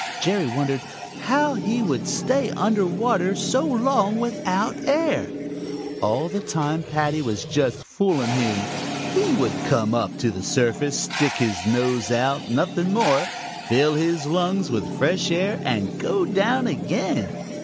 Jerry wondered how he could stay under water so long without air. All the time Paddy was just fooling him. He would come up to the surface, stick his nose out, nothing more, fill his lungs with fresh air, and go down again.